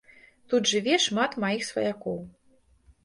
Тут жыве шмат маіх сваякоў.